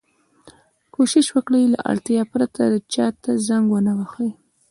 کوشش وکړئ! له اړتیا پرته چا ته زنګ و نه وهئ.